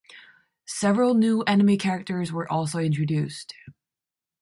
Several new enemy characters were also introduced.